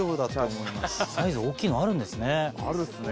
サイズ大きいのあるんですね。